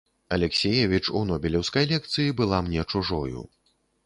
Алексіевіч у нобелеўскай лекцыі была мне чужою.